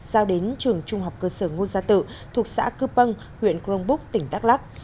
giao đến trường trung học cơ sở ngô gia tự thuộc xã cư pâng huyện cronbuk tỉnh đắk lắc